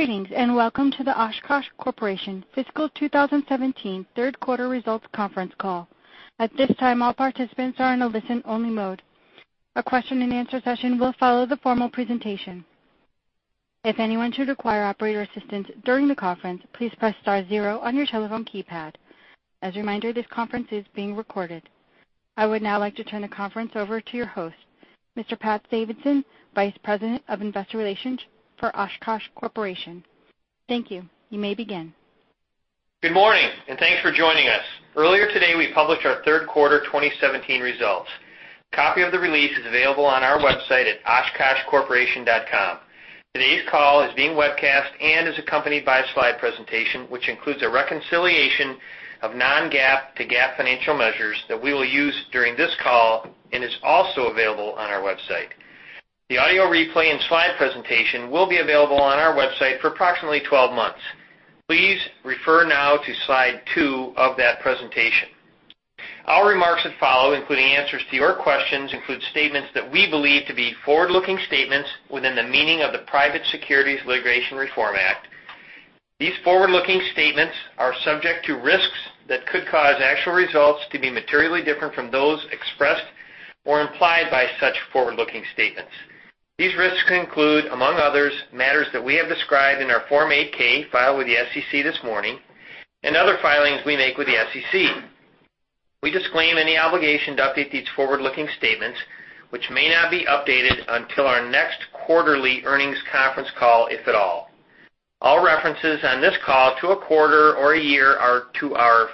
Greetings and welcome to the Oshkosh Corporation Fiscal 2017 Third Quarter Results Conference Call. At this time, all participants are in a listen-only mode. A question-and-answer session will follow the formal presentation. If anyone should require operator assistance during the conference, please press star zero on your telephone keypad. As a reminder, this conference is being recorded. I would now like to turn the conference over to your host, Mr. Pat Davidson, Vice President of Investor Relations for Oshkosh Corporation. Thank you. You may begin. Good morning and thanks for joining us. Earlier today, we published our Third Quarter 2017 results. A copy of the release is available on our website at OshkoshCorporation.com. Today's call is being webcast and is accompanied by a slide presentation, which includes a reconciliation of non-GAAP to GAAP financial measures that we will use during this call and is also available on our website. The audio replay and slide presentation will be available on our website for approximately 12 months. Please refer now to slide 2 of that presentation. Our remarks that follow, including answers to your questions, include statements that we believe to be forward-looking statements within the meaning of the Private Securities Litigation Reform Act. These forward-looking statements are subject to risks that could cause actual results to be materially different from those expressed or implied by such forward-looking statements. These risks include, among others, matters that we have described in our Form 8-K filed with the SEC this morning and other filings we make with the SEC. We disclaim any obligation to update these forward-looking statements, which may not be updated until our next quarterly earnings conference call, if at all. All references on this call to a quarter or a year are to our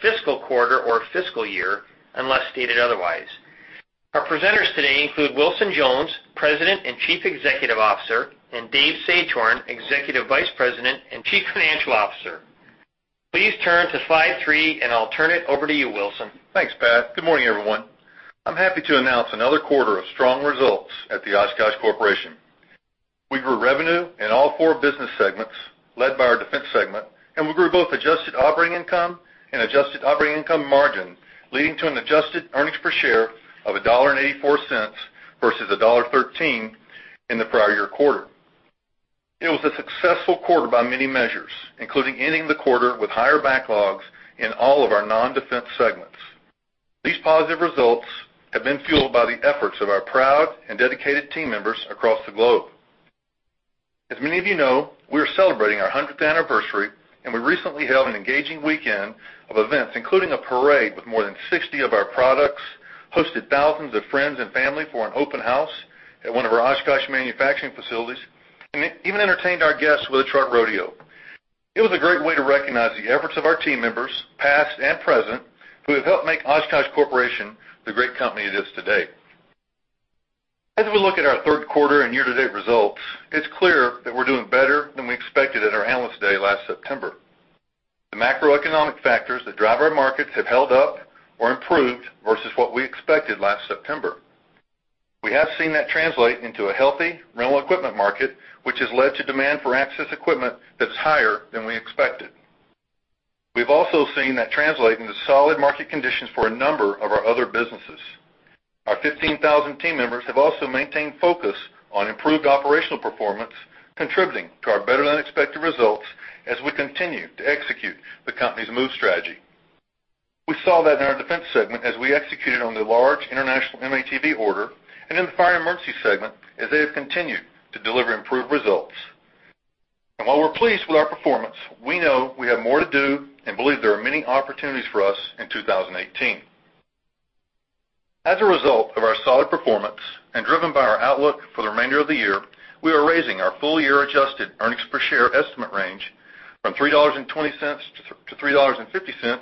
fiscal quarter or fiscal year, unless stated otherwise. Our presenters today include Wilson Jones, President and Chief Executive Officer, and David Sagehorn, Executive Vice President and Chief Financial Officer. Please turn to slide three and I'll turn it over to you, Wilson. Thanks, Pat. Good morning, everyone. I'm happy to announce another quarter of strong results at the Oshkosh Corporation. We grew revenue in all four business segments led by our defense segment, and we grew both adjusted operating income and adjusted operating income margin, leading to an adjusted earnings per share of $1.84 versus $1.13 in the prior year quarter. It was a successful quarter by many measures, including ending the quarter with higher backlogs in all of our non-defense segments. These positive results have been fueled by the efforts of our proud and dedicated team members across the globe. As many of you know, we are celebrating our 100th anniversary, and we recently held an engaging weekend of events, including a parade with more than 60 of our products, hosted thousands of friends and family for an open house at one of our Oshkosh manufacturing facilities, and even entertained our guests with a truck rodeo. It was a great way to recognize the efforts of our team members, past and present, who have helped make Oshkosh Corporation the great company it is today. As we look at our third quarter and year-to-date results, it's clear that we're doing better than we expected at our Analyst Day last September. The macroeconomic factors that drive our markets have held up or improved versus what we expected last September. We have seen that translate into a healthy rental equipment market, which has led to demand for access equipment that's higher than we expected. We've also seen that translate into solid market conditions for a number of our other businesses. Our 15,000 team members have also maintained focus on improved operational performance, contributing to our better-than-expected results as we continue to execute the company's MOVE strategy. We saw that in our defense segment as we executed on the large international M-ATV order and in the Fire & Emergency segment as they have continued to deliver improved results. And while we're pleased with our performance, we know we have more to do and believe there are many opportunities for us in 2018. As a result of our solid performance and driven by our outlook for the remainder of the year, we are raising our full-year adjusted earnings per share estimate range from $3.20-$3.50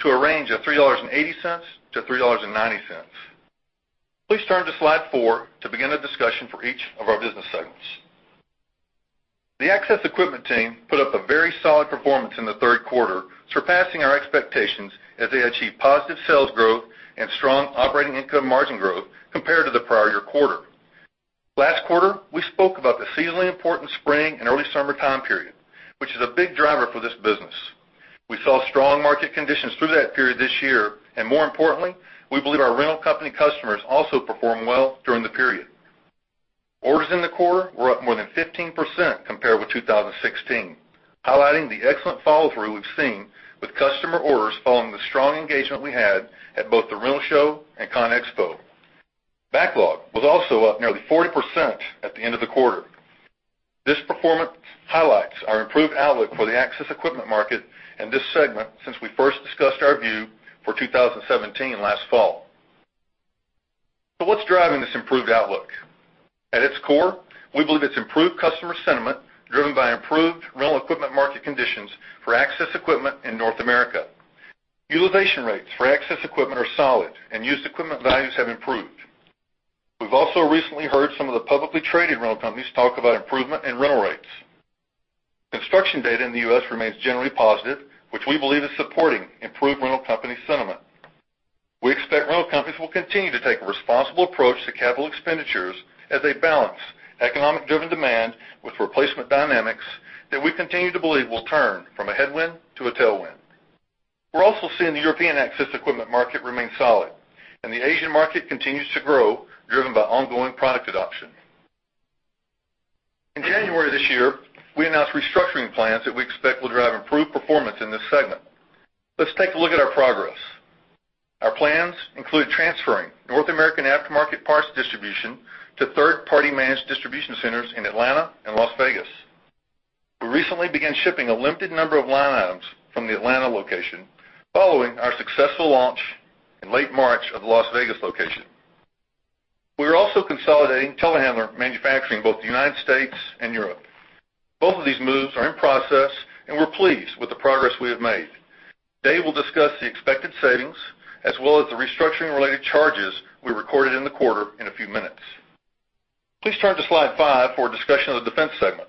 to a range of $3.80-$3.90. Please turn to slide four to begin a discussion for each of our business segments. The Access Equipment team put up a very solid performance in the third quarter, surpassing our expectations as they achieved positive sales growth and strong operating income margin growth compared to the prior year quarter. Last quarter, we spoke about the seasonally important spring and early summer time period, which is a big driver for this business. We saw strong market conditions through that period this year, and more importantly, we believe our rental company customers also performed well during the period. Orders in the quarter were up more than 15% compared with 2016, highlighting the excellent follow-through we've seen with customer orders following the strong engagement we had at both the Rental Show and CONEXPO. Backlog was also up nearly 40% at the end of the quarter. This performance highlights our improved outlook for the access equipment market in this segment since we first discussed our view for 2017 last fall. So what's driving this improved outlook? At its core, we believe it's improved customer sentiment driven by improved rental equipment market conditions for access equipment in North America. Utilization rates for access equipment are solid, and used equipment values have improved. We've also recently heard some of the publicly traded rental companies talk about improvement in rental rates. Construction data in the U.S. remains generally positive, which we believe is supporting improved rental company sentiment. We expect rental companies will continue to take a responsible approach to capital expenditures as they balance economic-driven demand with replacement dynamics that we continue to believe will turn from a headwind to a tailwind. We're also seeing the European access equipment market remain solid, and the Asian market continues to grow driven by ongoing product adoption. In January this year, we announced restructuring plans that we expect will drive improved performance in this segment. Let's take a look at our progress. Our plans include transferring North American aftermarket parts distribution to third-party managed distribution centers in Atlanta and Las Vegas. We recently began shipping a limited number of line items from the Atlanta location following our successful launch in late March of the Las Vegas location. We are also consolidating telehandler manufacturing in both the United States and Europe. Both of these moves are in process, and we're pleased with the progress we have made. Today, we'll discuss the expected savings as well as the restructuring-related charges we recorded in the quarter in a few minutes. Please turn to slide five for a discussion of the defense segment.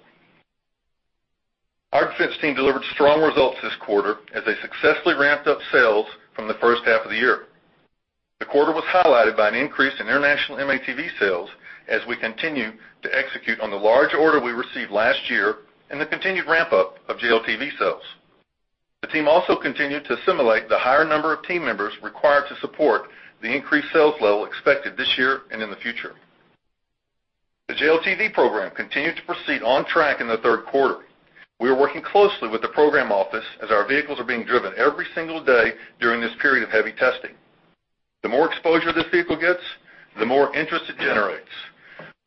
Our defense team delivered strong results this quarter as they successfully ramped up sales from the first half of the year. The quarter was highlighted by an increase in international M-ATV sales as we continue to execute on the large order we received last year and the continued ramp-up of JLTV sales. The team also continued to assimilate the higher number of team members required to support the increased sales level expected this year and in the future. The JLTV program continued to proceed on track in the third quarter. We are working closely with the program office as our vehicles are being driven every single day during this period of heavy testing. The more exposure this vehicle gets, the more interest it generates.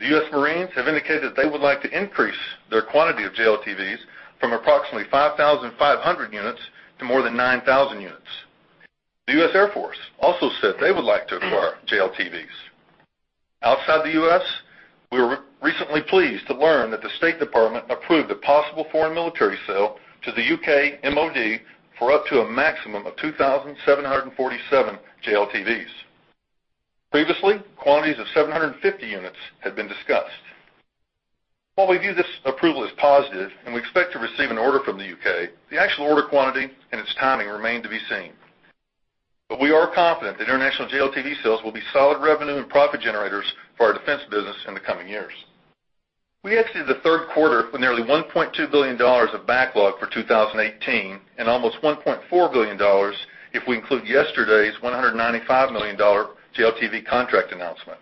The U.S. Marines have indicated that they would like to increase their quantity of JLTVs from approximately 5,500 units to more than 9,000 units. The U.S. Air Force also said they would like to acquire JLTVs. Outside the U.S., we were recently pleased to learn that the State Department approved a possible foreign military sale to the U.K. MOD for up to a maximum of 2,747 JLTVs. Previously, quantities of 750 units had been discussed. While we view this approval as positive and we expect to receive an order from the U.K., the actual order quantity and its timing remain to be seen. But we are confident that international JLTV sales will be solid revenue and profit generators for our defense business in the coming years. We exited the third quarter with nearly $1.2 billion of backlog for 2018 and almost $1.4 billion if we include yesterday's $195 million JLTV contract announcement.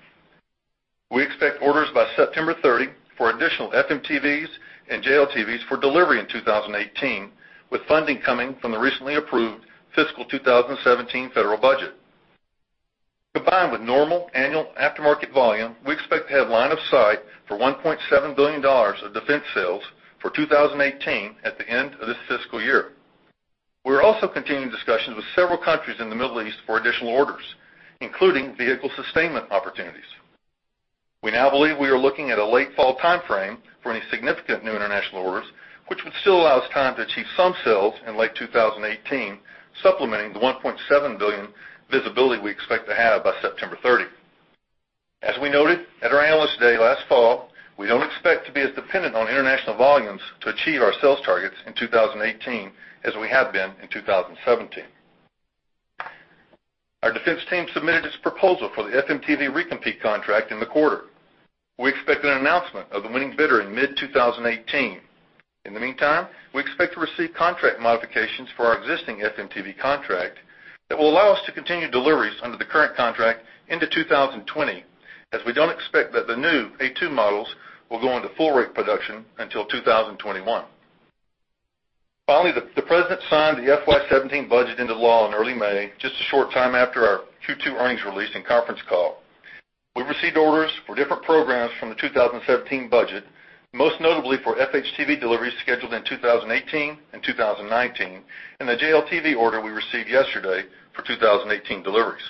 We expect orders by September 30 for additional FMTVs and JLTVs for delivery in 2018, with funding coming from the recently approved fiscal 2017 federal budget. Combined with normal annual aftermarket volume, we expect to have line of sight for $1.7 billion of defense sales for 2018 at the end of this fiscal year. We are also continuing discussions with several countries in the Middle East for additional orders, including vehicle sustainment opportunities. We now believe we are looking at a late fall timeframe for any significant new international orders, which would still allow us time to achieve some sales in late 2018, supplementing the $1.7 billion visibility we expect to have by September 30. As we noted at our Analyst Day last fall, we don't expect to be as dependent on international volumes to achieve our sales targets in 2018 as we have been in 2017. Our defense team submitted its proposal for the FMTV recompete contract in the quarter. We expect an announcement of the winning bidder in mid-2018. In the meantime, we expect to receive contract modifications for our existing FMTV contract that will allow us to continue deliveries under the current contract into 2020, as we don't expect that the new A2 models will go into full rate production until 2021. Finally, the President signed the FY17 budget into law in early May, just a short time after our Q2 earnings release and conference call. We received orders for different programs from the 2017 budget, most notably for FHTV deliveries scheduled in 2018 and 2019, and the JLTV order we received yesterday for 2018 deliveries.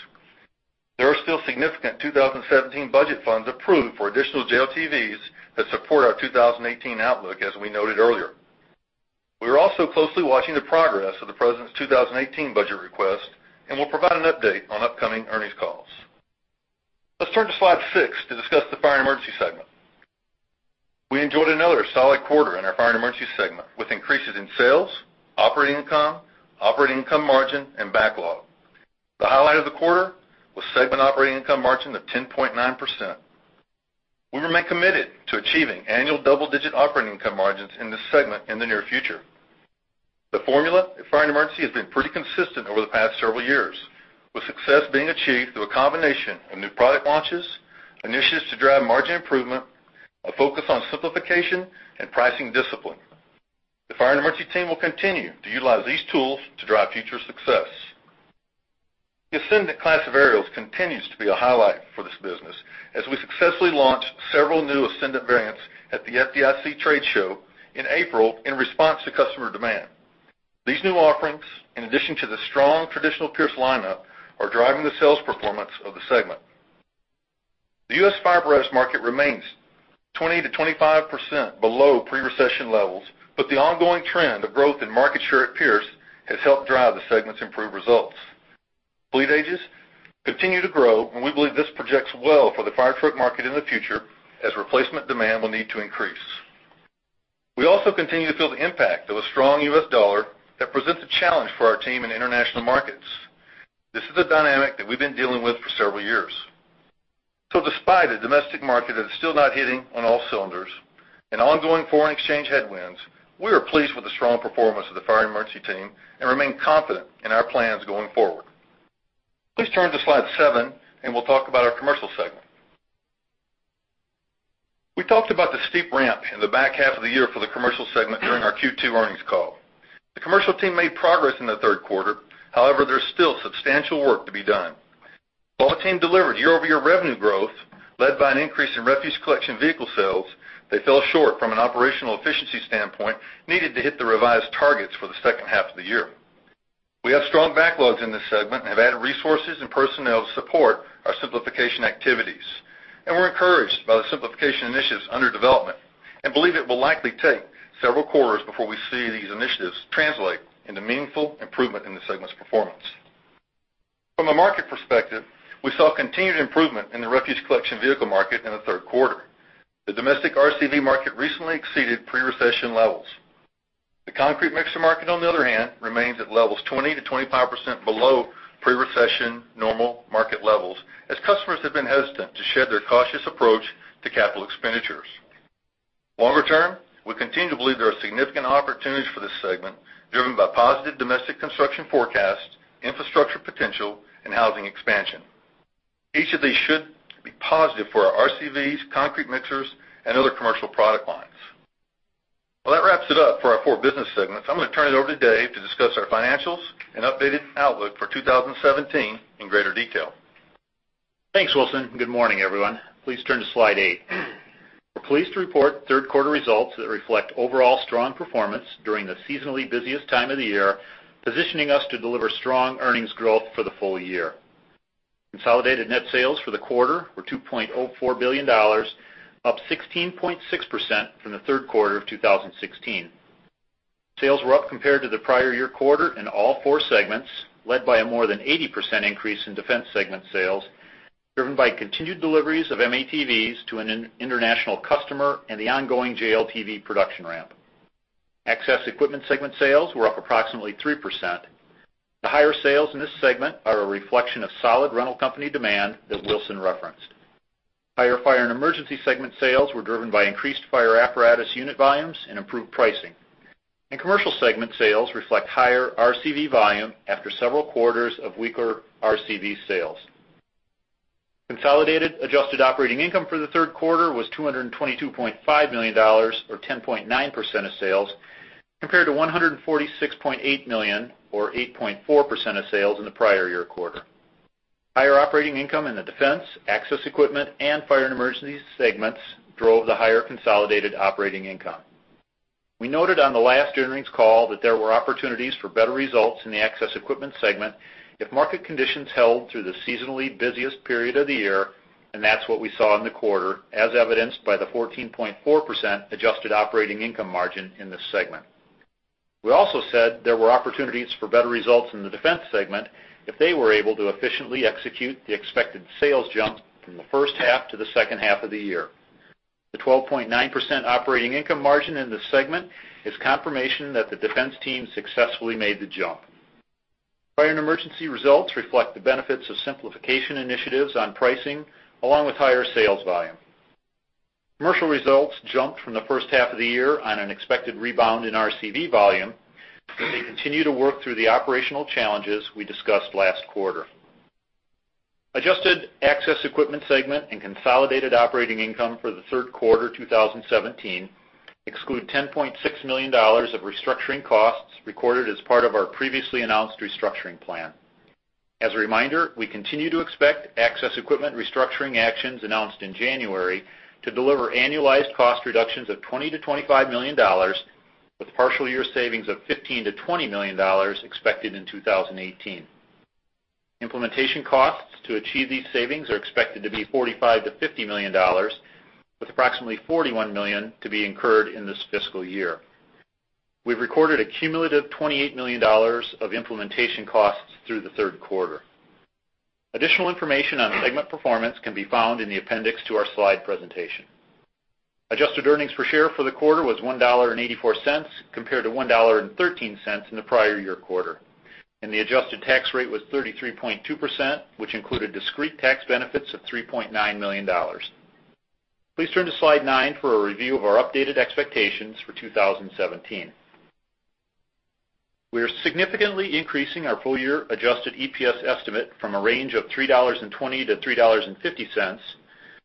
There are still significant 2017 budget funds approved for additional JLTVs that support our 2018 outlook, as we noted earlier. We are also closely watching the progress of the President's 2018 budget request and will provide an update on upcoming earnings calls. Let's turn to slide 6 to discuss the Fire & Emergency segment. We enjoyed another solid quarter in our Fire & Emergency segment with increases in sales, operating income, operating income margin, and backlog. The highlight of the quarter was segment operating income margin of 10.9%. We remain committed to achieving annual double-digit operating income margins in this segment in the near future. The formula of Fire & Emergency has been pretty consistent over the past several years, with success being achieved through a combination of new product launches, initiatives to drive margin improvement, a focus on simplification, and pricing discipline. The Fire & Emergency team will continue to utilize these tools to drive future success. The Ascendant Class of aerials continues to be a highlight for this business as we successfully launched several new Ascendant variants at the FDIC trade show in April in response to customer demand. These new offerings, in addition to the strong traditional Pierce lineup, are driving the sales performance of the segment. The U.S. fire apparatus market remains 20%-25% below pre-recession levels, but the ongoing trend of growth in market share at Pierce has helped drive the segment's improved results. Fleet ages continue to grow, and we believe this projects well for the fire truck market in the future as replacement demand will need to increase. We also continue to feel the impact of a strong U.S. dollar that presents a challenge for our team in international markets. This is a dynamic that we've been dealing with for several years. So despite a domestic market that is still not hitting on all cylinders and ongoing foreign exchange headwinds, we are pleased with the strong performance of the Fire & Emergency team and remain confident in our plans going forward. Please turn to slide seven, and we'll talk about our commercial segment. We talked about the steep ramp in the back half of the year for the commercial segment during our Q2 earnings call. The commercial team made progress in the third quarter, however, there's still substantial work to be done. While the team delivered year-over-year revenue growth led by an increase in refuse collection vehicle sales, they fell short from an operational efficiency standpoint needed to hit the revised targets for the second half of the year. We have strong backlogs in this segment and have added resources and personnel to support our simplification activities. We're encouraged by the simplification initiatives under development and believe it will likely take several quarters before we see these initiatives translate into meaningful improvement in the segment's performance. From a market perspective, we saw continued improvement in the refuse collection vehicle market in the third quarter. The domestic RCV market recently exceeded pre-recession levels. The concrete mixer market, on the other hand, remains at levels 20%-25% below pre-recession normal market levels as customers have been hesitant to shed their cautious approach to capital expenditures. Longer term, we continue to believe there are significant opportunities for this segment driven by positive domestic construction forecasts, infrastructure potential, and housing expansion. Each of these should be positive for our RCVs, concrete mixers, and other commercial product lines. Well, that wraps it up for our four business segments. I'm going to turn it over to Dave to discuss our financials and updated outlook for 2017 in greater detail. Thanks, Wilson. Good morning, everyone. Please turn to slide 8. We're pleased to report third quarter results that reflect overall strong performance during the seasonally busiest time of the year, positioning us to deliver strong earnings growth for the full year. Consolidated net sales for the quarter were $2.04 billion, up 16.6% from the third quarter of 2016. Sales were up compared to the prior year quarter in all four segments, led by a more than 80% increase in defense segment sales driven by continued deliveries of M-ATVs to an international customer and the ongoing JLTV production ramp. Access equipment segment sales were up approximately 3%. The higher sales in this segment are a reflection of solid rental company demand that Wilson referenced. Higher fire and emergency segment sales were driven by increased fire apparatus unit volumes and improved pricing. Commercial segment sales reflect higher RCV volume after several quarters of weaker RCV sales. Consolidated adjusted operating income for the third quarter was $222.5 million, or 10.9% of sales, compared to $146.8 million, or 8.4% of sales in the prior year quarter. Higher operating income in the defense, access equipment, and fire and emergency segments drove the higher consolidated operating income. We noted on the last earnings call that there were opportunities for better results in the access equipment segment if market conditions held through the seasonally busiest period of the year, and that's what we saw in the quarter, as evidenced by the 14.4% adjusted operating income margin in this segment. We also said there were opportunities for better results in the defense segment if they were able to efficiently execute the expected sales jump from the first half to the second half of the year. The 12.9% operating income margin in this segment is confirmation that the defense team successfully made the jump. Fire and emergency results reflect the benefits of simplification initiatives on pricing, along with higher sales volume. Commercial results jumped from the first half of the year on an expected rebound in RCV volume, but they continue to work through the operational challenges we discussed last quarter. Adjusted access equipment segment and consolidated operating income for the third quarter 2017 exclude $10.6 million of restructuring costs recorded as part of our previously announced restructuring plan. As a reminder, we continue to expect access equipment restructuring actions announced in January to deliver annualized cost reductions of $20-$25 million, with partial year savings of $15-$20 million expected in 2018. Implementation costs to achieve these savings are expected to be $45-$50 million, with approximately $41 million to be incurred in this fiscal year. We've recorded a cumulative $28 million of implementation costs through the third quarter. Additional information on segment performance can be found in the appendix to our slide presentation. Adjusted earnings per share for the quarter was $1.84 compared to $1.13 in the prior year quarter. The adjusted tax rate was 33.2%, which included discrete tax benefits of $3.9 million. Please turn to slide nine for a review of our updated expectations for 2017. We are significantly increasing our full-year adjusted EPS estimate from a range of $3.20-$3.50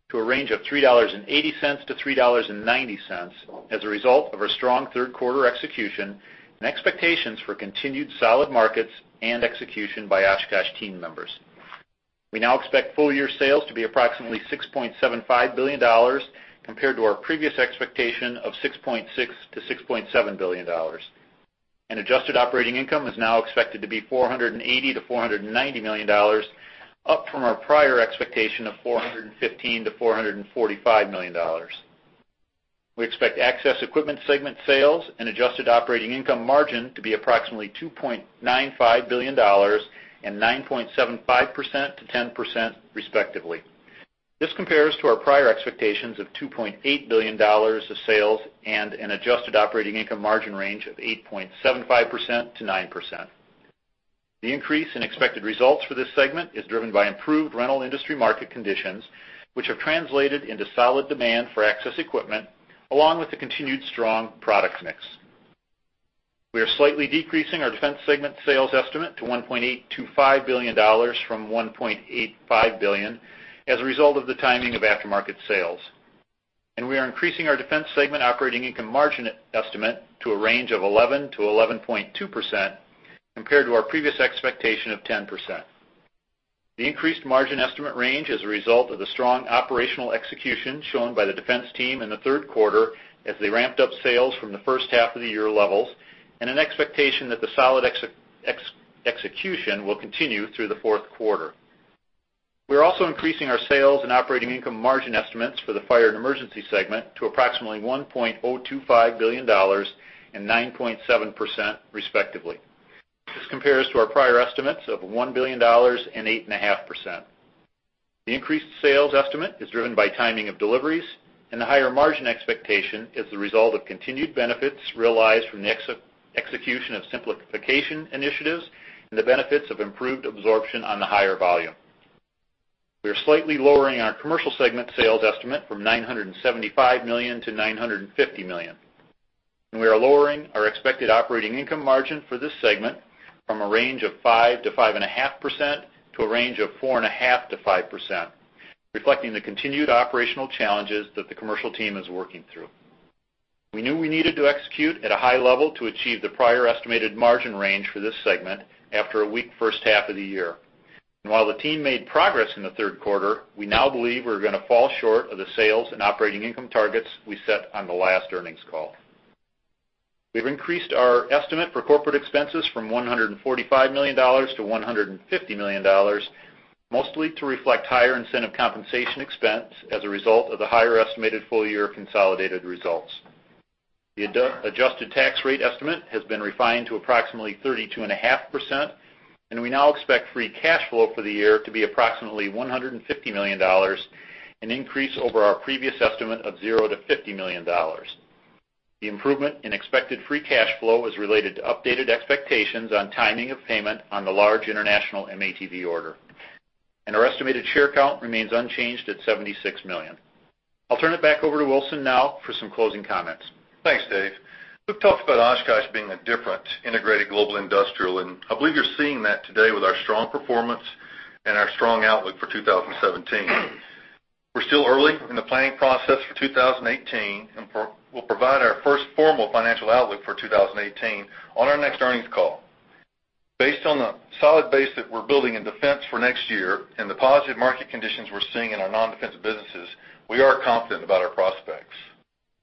to a range of $3.80-$3.90 as a result of our strong third quarter execution and expectations for continued solid markets and execution by Oshkosh team members. We now expect full-year sales to be approximately $6.75 billion compared to our previous expectation of $6.6-$6.7 billion. Adjusted operating income is now expected to be $480-$490 million, up from our prior expectation of $415-$445 million. We expect access equipment segment sales and adjusted operating income margin to be approximately $2.95 billion and 9.75%-10%, respectively. This compares to our prior expectations of $2.8 billion of sales and an adjusted operating income margin range of 8.75%-9%. The increase in expected results for this segment is driven by improved rental industry market conditions, which have translated into solid demand for access equipment, along with the continued strong product mix. We are slightly decreasing our defense segment sales estimate to $1.825 billion from $1.85 billion as a result of the timing of aftermarket sales. We are increasing our defense segment operating income margin estimate to a range of 11%-11.2% compared to our previous expectation of 10%. The increased margin estimate range is a result of the strong operational execution shown by the defense team in the third quarter as they ramped up sales from the first half of the year levels, and an expectation that the solid execution will continue through the fourth quarter. We are also increasing our sales and operating income margin estimates for the fire and emergency segment to approximately $1.025 billion and 9.7%, respectively. This compares to our prior estimates of $1 billion and 8.5%. The increased sales estimate is driven by timing of deliveries, and the higher margin expectation is the result of continued benefits realized from the execution of simplification initiatives and the benefits of improved absorption on the higher volume. We are slightly lowering our commercial segment sales estimate from $975 million to $950 million. We are lowering our expected operating income margin for this segment from a range of 5%-5.5% to a range of 4.5%-5%, reflecting the continued operational challenges that the commercial team is working through. We knew we needed to execute at a high level to achieve the prior estimated margin range for this segment after a weak first half of the year. And while the team made progress in the third quarter, we now believe we're going to fall short of the sales and operating income targets we set on the last earnings call. We've increased our estimate for corporate expenses from $145 million to $150 million, mostly to reflect higher incentive compensation expense as a result of the higher estimated full-year consolidated results. The adjusted tax rate estimate has been refined to approximately 32.5%, and we now expect free cash flow for the year to be approximately $150 million, an increase over our previous estimate of $0-$50 million. The improvement in expected free cash flow is related to updated expectations on timing of payment on the large international M-ATV order. Our estimated share count remains unchanged at 76 million. I'll turn it back over to Wilson now for some closing comments. Thanks, Dave. We've talked about Oshkosh being a different integrated global industrial, and I believe you're seeing that today with our strong performance and our strong outlook for 2017. We're still early in the planning process for 2018, and we'll provide our first formal financial outlook for 2018 on our next Earnings Call. Based on the solid base that we're building in defense for next year and the positive market conditions we're seeing in our non-defense businesses, we are confident about our prospects.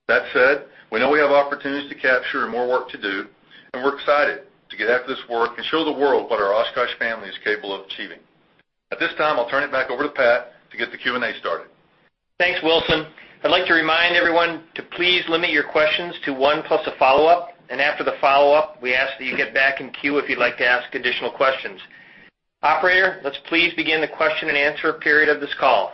That said, we know we have opportunities to capture and more work to do, and we're excited to get after this work and show the world what our Oshkosh family is capable of achieving. At this time, I'll turn it back over to Pat to get the Q&A started. Thanks, Wilson. I'd like to remind everyone to please limit your questions to one plus a follow-up, and after the follow-up, we ask that you get back in queue if you'd like to ask additional questions. Operator, let's please begin the question and answer period of this call.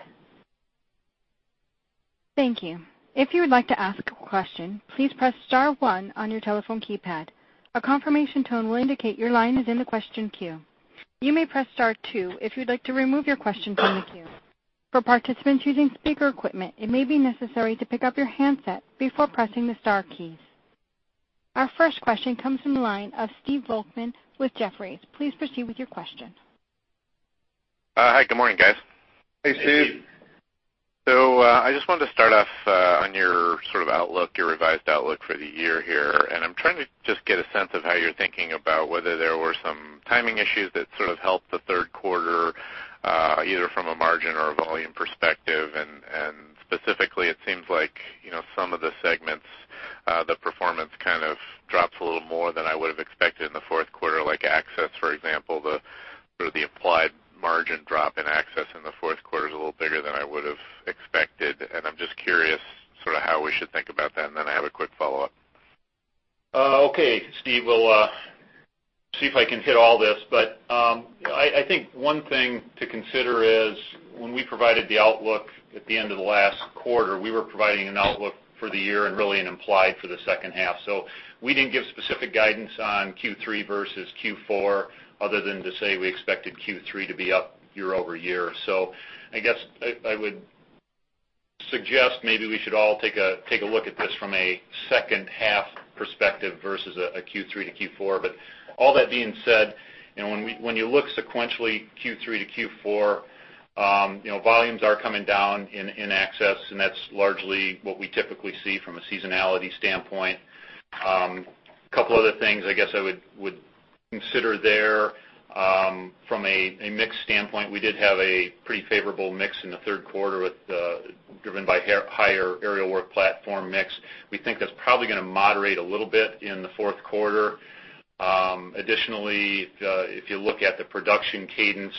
Thank you. If you would like to ask a question, please press star one on your telephone keypad. A confirmation tone will indicate your line is in the question queue. You may press star two if you'd like to remove your question from the queue. For participants using speaker equipment, it may be necessary to pick up your handset before pressing the star keys. Our first question comes from the line of Stephen Volkmann with Jefferies. Please proceed with your question. Hi. Good morning, guys. Hey, Steve. So I just wanted to start off on your sort of outlook, your revised outlook for the year here. And I'm trying to just get a sense of how you're thinking about whether there were some timing issues that sort of helped the third quarter, either from a margin or a volume perspective. Specifically, it seems like some of the segments, the performance kind of drops a little more than I would have expected in the fourth quarter, like access, for example. The implied margin drop in access in the fourth quarter is a little bigger than I would have expected. I'm just curious sort of how we should think about that, and then I have a quick follow-up. Okay. Steve, we'll see if I can hit all this, but I think one thing to consider is when we provided the outlook at the end of the last quarter, we were providing an outlook for the year and really an implied for the second half. We didn't give specific guidance on Q3 versus Q4 other than to say we expected Q3 to be up year-over-year. I guess I would suggest maybe we should all take a look at this from a second half perspective versus a Q3-Q4. But all that being said, when you look sequentially Q3-Q4, volumes are coming down in access, and that's largely what we typically see from a seasonality standpoint. A couple of other things I guess I would consider there from a mixed standpoint. We did have a pretty favorable mix in the third quarter driven by higher aerial work platform mix. We think that's probably going to moderate a little bit in the fourth quarter. Additionally, if you look at the production cadence,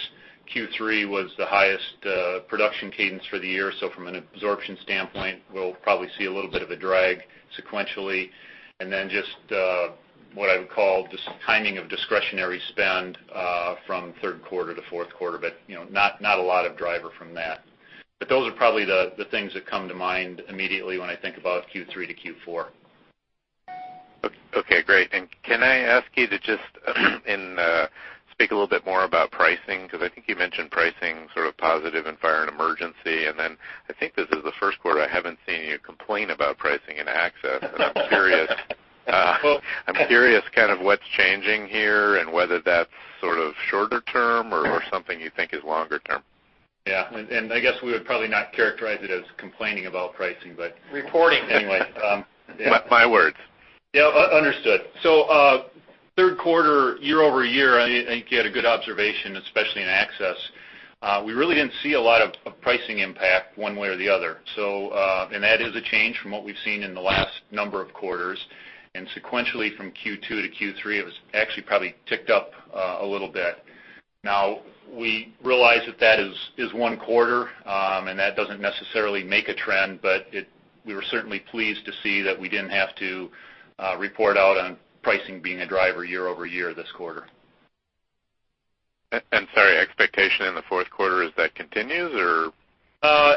Q3 was the highest production cadence for the year. So from an absorption standpoint, we'll probably see a little bit of a drag sequentially. Then just what I would call just timing of discretionary spend from third quarter to fourth quarter, but not a lot of driver from that. But those are probably the things that come to mind immediately when I think about Q3-Q4. Okay. Great. Can I ask you to just speak a little bit more about pricing? Because I think you mentioned pricing sort of positive and fire and emergency. Then I think this is the first quarter I haven't seen you complain about pricing in access. I'm curious kind of what's changing here and whether that's sort of shorter term or something you think is longer term. Yeah. I guess we would probably not characterize it as complaining about pricing, but reporting anyway. My words. Yeah. Understood. Third quarter, year-over-year, I think you had a good observation, especially in access. We really didn't see a lot of pricing impact one way or the other. That is a change from what we've seen in the last number of quarters. Sequentially from Q2 to Q3, it was actually probably ticked up a little bit. Now, we realize that that is one quarter, and that doesn't necessarily make a trend, but we were certainly pleased to see that we didn't have to report out on pricing being a driver year over year this quarter. And, sorry, expectation in the fourth quarter, is that continues or?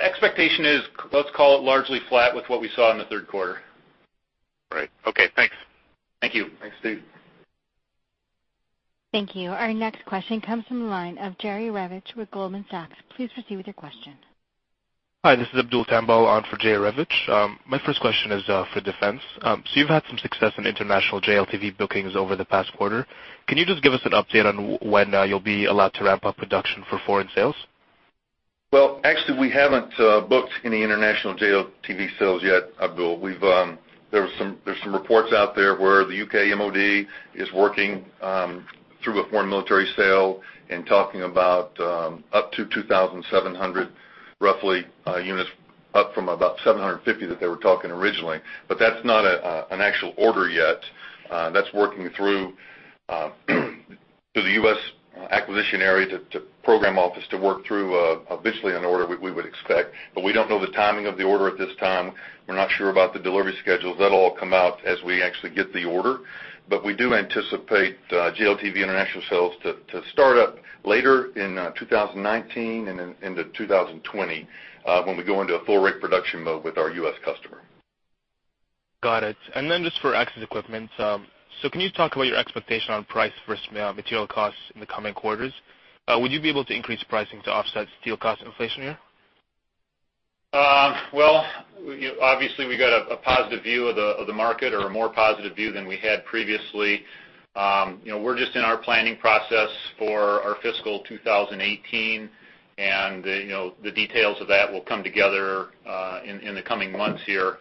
Expectation is, let's call it largely flat with what we saw in the third quarter. Right. Okay. Thanks. Thank you. Thanks, Steve. Thank you. Our next question comes from the line of Jerry Revich with Goldman Sachs. Please proceed with your question. Hi. This is Abdul Tembo on for Jerry Revich. My first question is for defense. So you've had some success in international JLTV bookings over the past quarter. Can you just give us an update on when you'll be allowed to ramp up production for foreign sales? Well, actually, we haven't booked any international JLTV sales yet, Abdul. There's some reports out there where the U.K. MOD is working through a foreign military sale and talking about up to 2,700 roughly units, up from about 750 that they were talking originally. But that's not an actual order yet. That's working through the U.S. acquisition area to program office to work through eventually an order we would expect. But we don't know the timing of the order at this time. We're not sure about the delivery schedules. That'll all come out as we actually get the order. But we do anticipate JLTV international sales to start up later in 2019 and into 2020 when we go into a full-rate production mode with our U.S. customer. Got it. And then just for access equipment, so can you talk about your expectation on price for material costs in the coming quarters? Would you be able to increase pricing to offset steel cost inflation here? Well, obviously, we got a positive view of the market or a more positive view than we had previously. We're just in our planning process for our fiscal 2018, and the details of that will come together in the coming months here.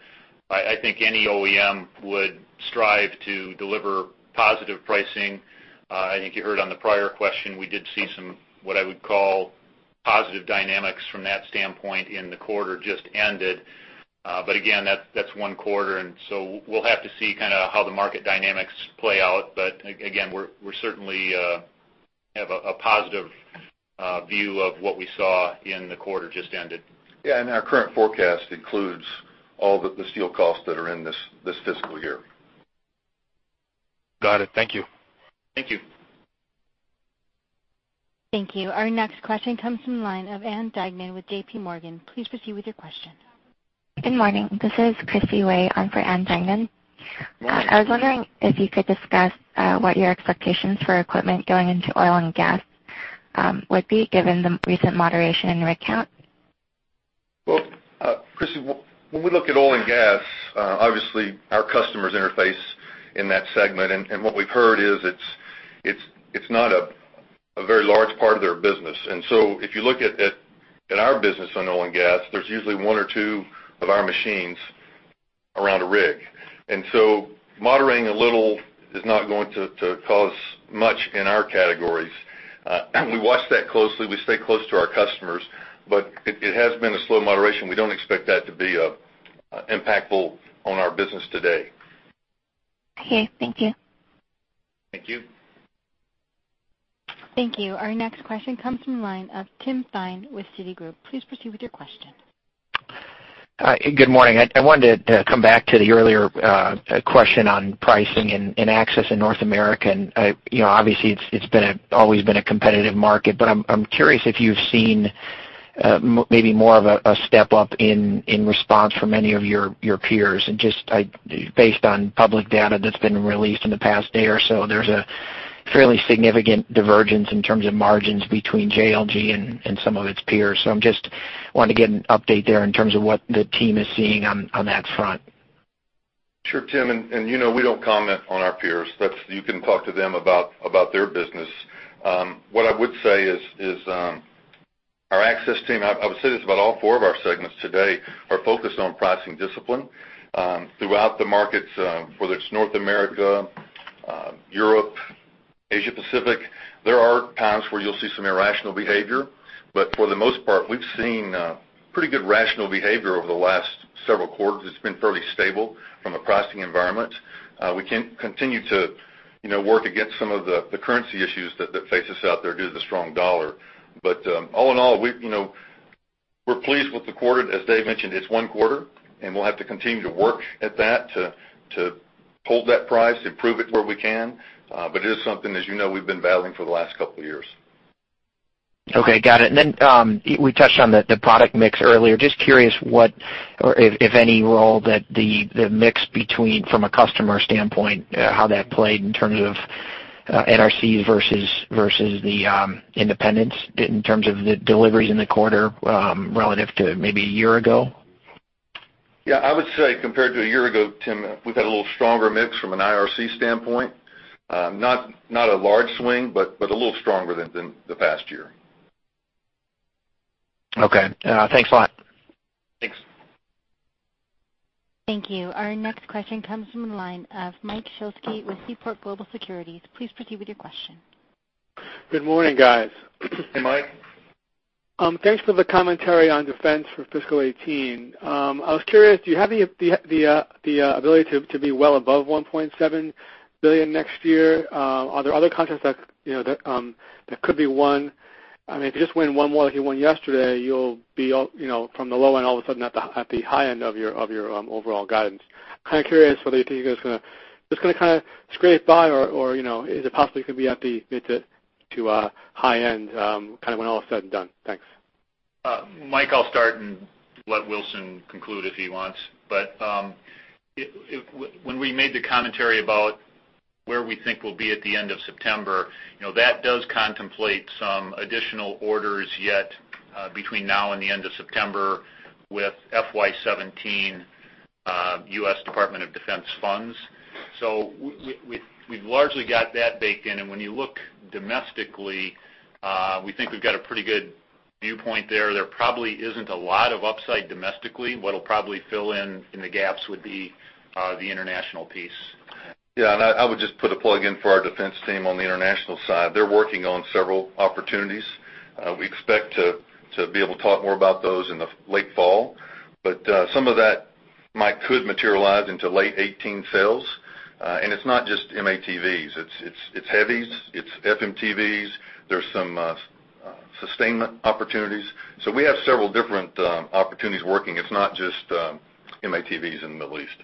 I think any OEM would strive to deliver positive pricing. I think you heard on the prior question, we did see some what I would call positive dynamics from that standpoint in the quarter just ended. But again, that's one quarter. So we'll have to see kind of how the market dynamics play out. But again, we certainly have a positive view of what we saw in the quarter just ended. Yeah. Our current forecast includes all the steel costs that are in this fiscal year. Got it. Thank you. Thank you. Thank you. Our next question comes from the line of Ann Duignan with J.P. Morgan. Please proceed with your question. Good morning. This is Christie Wei on for Ann Duignan. I was wondering if you could discuss what your expectations for equipment going into oil and gas would be given the recent moderation in rig count. Well, Christie, when we look at oil and gas, obviously, our customers interface in that segment. And what we've heard is it's not a very large part of their business. And so if you look at our business on oil and gas, there's usually one or two of our machines around a rig. And so moderating a little is not going to cause much in our categories. We watch that closely. We stay close to our customers, but it has been a slow moderation. We don't expect that to be impactful on our business today. Okay. Thank you. Thank you. Thank you. Our next question comes from the line of Timothy Thein with Citigroup. Please proceed with your question. Hi. Good morning. I wanted to come back to the earlier question on pricing in access in North America. And obviously, it's always been a competitive market, but I'm curious if you've seen maybe more of a step up in response from any of your peers. Just based on public data that's been released in the past day or so, there's a fairly significant divergence in terms of margins between JLG and some of its peers. So I just wanted to get an update there in terms of what the team is seeing on that front. Sure, Tim. We don't comment on our peers. You can talk to them about their business. What I would say is our access team, I would say it's about all four of our segments today, are focused on pricing discipline. Throughout the markets, whether it's North America, Europe, Asia-Pacific, there are times where you'll see some irrational behavior. But for the most part, we've seen pretty good rational behavior over the last several quarters. It's been fairly stable from a pricing environment. We can continue to work against some of the currency issues that face us out there due to the strong U.S. dollar. But all in all, we're pleased with the quarter. As Dave mentioned, it's one quarter, and we'll have to continue to work at that to hold that price, improve it where we can. But it is something, as you know, we've been battling for the last couple of years. Okay. Got it. And then we touched on the product mix earlier. Just curious what, if any, role that the mix from a customer standpoint, how that played in terms of NRCs versus the independents in terms of the deliveries in the quarter relative to maybe a year ago? Yeah. I would say compared to a year ago, Tim, we've had a little stronger mix from an IRC standpoint. Not a large swing, but a little stronger than the past year. Okay. Thanks a lot. Thanks. Thank you. Our next question comes from the line of Michael Shlisky with Seaport Global Securities. Please proceed with your question. Good morning, guys. Hey, Mike. Thanks for the commentary on defense for fiscal 2018. I was curious, do you have the ability to be well above $1.7 billion next year? Are there other contracts that could be won? I mean, if you just win one more like you won yesterday, you'll be from the low end all of a sudden at the high end of your overall guidance. Kind of curious whether you think it's going to just kind of scrape by, or is it possible you can be at the mid to high end kind of when all is said and done? Thanks. Mike, I'll start and let Wilson conclude if he wants. But when we made the commentary about where we think we'll be at the end of September, that does contemplate some additional orders yet between now and the end of September with FY 2017 U.S. Department of Defense funds. So we've largely got that baked in. And when you look domestically, we think we've got a pretty good viewpoint there. There probably isn't a lot of upside domestically. What'll probably fill in the gaps would be the international piece. Yeah. And I would just put a plug in for our defense team on the international side. They're working on several opportunities. We expect to be able to talk more about those in the late fall. But some of that, Mike, could materialize into late 2018 sales. And it's not just M-ATVs. It's heavies. It's FMTVs. There's some sustainment opportunities. So we have several different opportunities working. It's not just M-ATVs in the Middle East.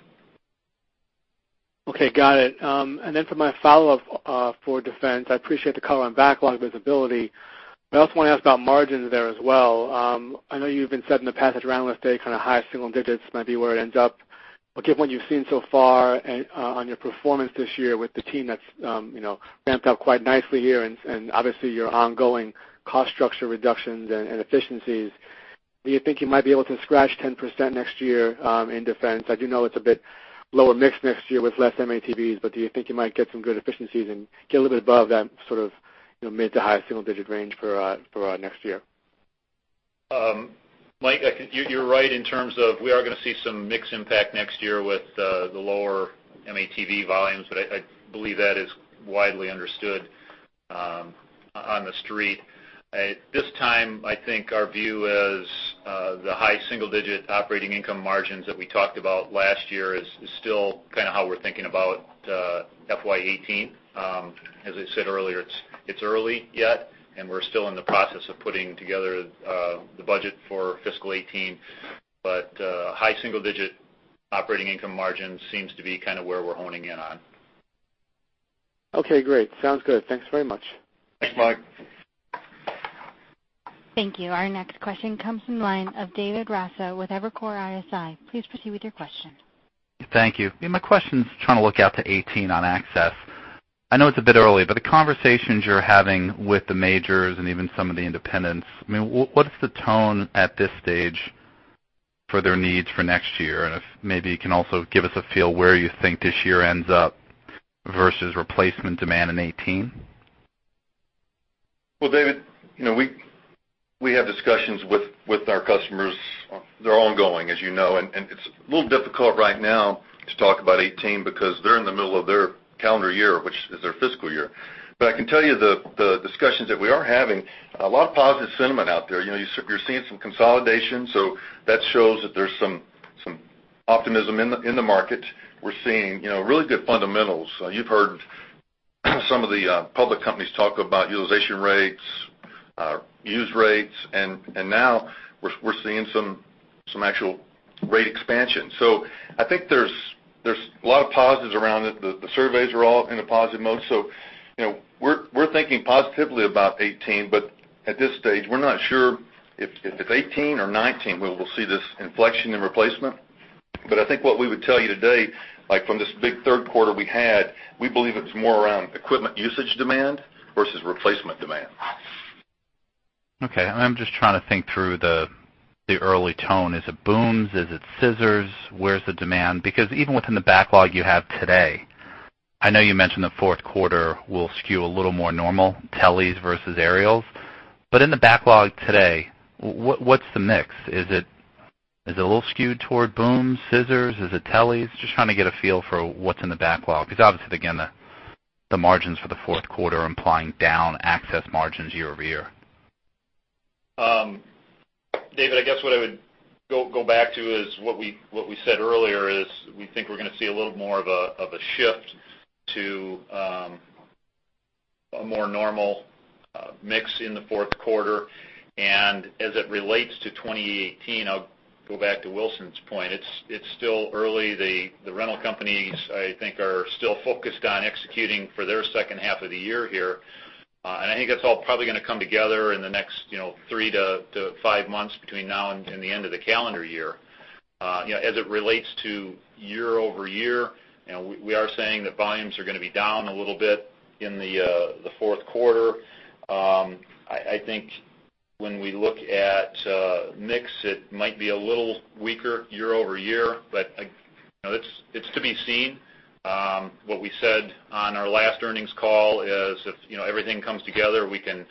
Okay. Got it. And then for my follow-up for defense, I appreciate the color on backlog visibility. But I also want to ask about margins there as well. I know you've said in the past that your analysts say kind of high single digits might be where it ends up. But given what you've seen so far on your performance this year with the team that's ramped up quite nicely here, and obviously your ongoing cost structure reductions and efficiencies, do you think you might be able to scratch 10% next year in defense? I do know it's a bit lower mix next year with less M-ATVs, but do you think you might get some good efficiencies and get a little bit above that sort of mid to high single digit range for next year? Mike, you're right in terms of we are going to see some mixed impact next year with the lower M-ATV volumes, but I believe that is widely understood on the street. At this time, I think our view as the high single digit operating income margins that we talked about last year is still kind of how we're thinking about FY 2018. As I said earlier, it's early yet, and we're still in the process of putting together the budget for fiscal 2018. But high single digit operating income margins seems to be kind of where we're honing in on. Okay. Great. Sounds good. Thanks very much. Thanks, Mike. Thank you. Our next question comes from the line of David Raso with Evercore ISI. Please proceed with your question. Thank you. My question's trying to look out to 2018 on access. I know it's a bit early, but the conversations you're having with the majors and even some of the independents, I mean, what's the tone at this stage for their needs for next year? And if maybe you can also give us a feel where you think this year ends up versus replacement demand in 2018? Well, David, we have discussions with our customers. They're ongoing, as you know. And it's a little difficult right now to talk about 2018 because they're in the middle of their calendar year, which is their fiscal year. But I can tell you the discussions that we are having, a lot of positive sentiment out there. You're seeing some consolidation. So that shows that there's some optimism in the market. We're seeing really good fundamentals. You've heard some of the public companies talk about utilization rates, use rates. And now we're seeing some actual rate expansion. So I think there's a lot of positives around it. The surveys are all in a positive mode. So we're thinking positively about 2018, but at this stage, we're not sure if it's 2018 or 2019 we will see this inflection in replacement. But I think what we would tell you today, from this big third quarter we had, we believe it's more around equipment usage demand versus replacement demand. Okay. I'm just trying to think through the early tone. Is it booms? Is it scissors? Where's the demand? Because even within the backlog you have today, I know you mentioned the fourth quarter will skew a little more normal, teles versus aerials. But in the backlog today, what's the mix? Is it a little skewed toward booms, scissors? Is it teles? Just trying to get a feel for what's in the backlog. Because obviously, again, the margins for the fourth quarter are implying down access margins year-over-year. David, I guess what I would go back to is what we said earlier is we think we're going to see a little more of a shift to a more normal mix in the fourth quarter. And as it relates to 2018, I'll go back to Wilson's point. It's still early. The rental companies, I think, are still focused on executing for their second half of the year here. And I think that's all probably going to come together in the next 3-5 months between now and the end of the calendar year. As it relates to year-over-year, we are saying that volumes are going to be down a little bit in the fourth quarter. I think when we look at mix, it might be a little weaker year-over-year, but it's to be seen. What we said on our last earnings call is if everything comes together, we could